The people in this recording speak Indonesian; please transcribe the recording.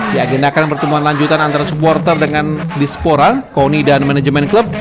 diagendakan pertemuan lanjutan antara supporter dengan dispora koni dan manajemen klub